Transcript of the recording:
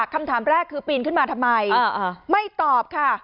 คำถามแรกคือปีนขึ้นมาทำไมไม่ตอบค่ะ